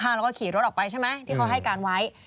แล้วก็ขี่รถออกไปใช่ไหมที่เขาให้การไว้